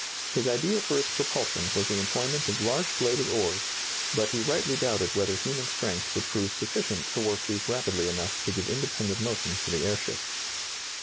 His idea for its propulsion was the employment of large bladed oars, but he rightly doubted whether human strength would prove sufficient to work these rapidly enough to give independent motion to the airship.